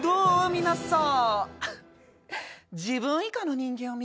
皆さん。